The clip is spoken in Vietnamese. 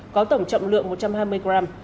có tổng trọng lượng một trăm hai mươi gram